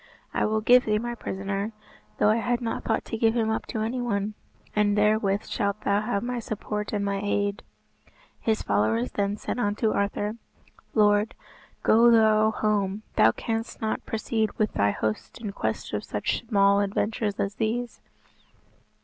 "I will give thee my prisoner, though I had not thought to give him up to any one; and therewith shalt thou have my support and my aid." His followers then said unto Arthur, "Lord, go thou home, thou canst not proceed with thy host in quest of such small adventures as these."